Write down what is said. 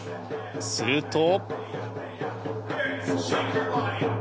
すると。